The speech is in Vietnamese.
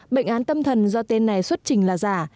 bệnh án tâm thần do tên này xuất trình là giả